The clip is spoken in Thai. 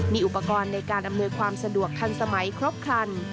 มีอุปกรณ์ในการอำนวยความสะดวกทันสมัยครบครัน